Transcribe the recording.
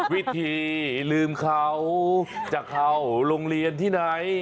วิธีลืมเขาจะเข้าโรงเรียนที่ไหน